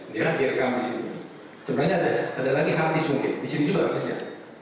dia direkam di sini sebenarnya ada lagi hardis mungkin di sini juga habisnya